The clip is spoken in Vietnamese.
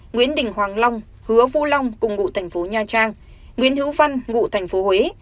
nguyễn đình hoàng long hứa vũ long cùng ngụ thành phố nha trang nguyễn hữu văn ngụ tp huế